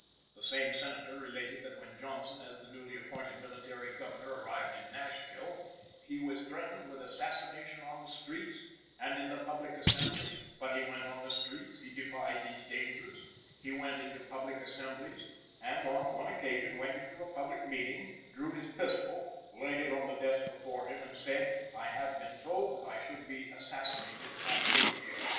The same Senator related that when Johnson, as the newly appointed Military Governor, arrived at Nashville "he was threatened with assassination on the streets and in the public assemblies, but he went on the streets; he defied those dangers; he went into public assemblies, and on one occasion went into a public meeting, drew his pistol, laid it on the desk before him, and said: 'I have been told that I should be assassinated if I came here.